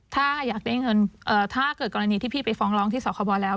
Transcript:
ถ้าอยากได้เงินถ้าเกิดกรณีที่พี่ไปฟ้องร้องที่สคบแล้ว